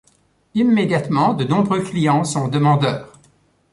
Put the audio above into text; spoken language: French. Immédiatement, de nombreux clients sont demandeurs.